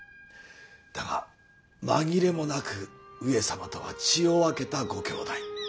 だが紛れもなく上様とは血を分けたご兄弟。